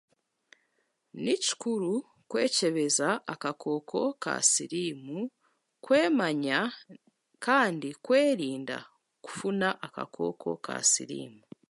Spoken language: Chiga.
Ekikuru kwekyebeza akakooko ka siriimu, kwemanya, kandi kwerinda kufuna akakooko ka siriimu.